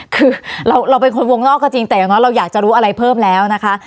คือเราเป็นคนวงนอกก็จริงแต่อย่างน้อยเราอยากจะรู้อะไรเพิ่มแล้วนะคะ